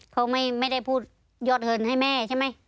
เขาไม่ได้พูดยอดเงินให้แม่ใช่ไหม